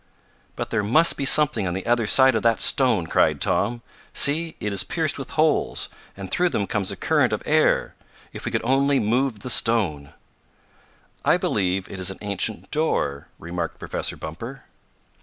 "But there must be something on the other side of that stone," cried Tom. "See, it is pierced with holes, and through them comes a current of air. If we could only move the stone!" "I believe it is an ancient door," remarked Professor Bumper.